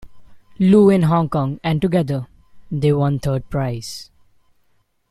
Loo in Hong Kong, and together they won third prize.